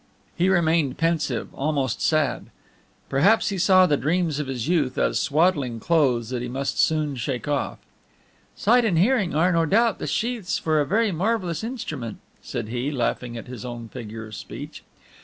He remained pensive, almost sad. Perhaps he saw the dreams of his youth as swaddling clothes that he must soon shake off. "Sight and hearing are, no doubt, the sheaths for a very marvelous instrument," said he, laughing at his own figure of speech.